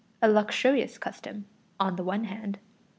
A luxurious custom, on the one hand.